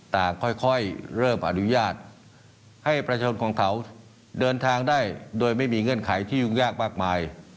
ต่างค่อยเริ่มอนุญาตให้ประชาชนของเขาเดินทางได้โดยไม่มีเงื่อนไขที่ยุ่งยากมากมาย